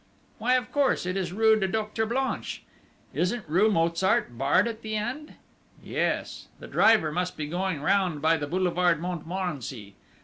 Why, of course, it is rue du Docteur Blanche!... Isn't rue Mozart barred at the end? Yes. The driver must be going round by the boulevard Montmorency....